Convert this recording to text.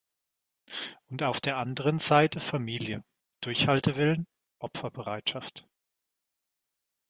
Und auf der anderen Seite Familie, Durchhaltewillen, Opferbereitschaft.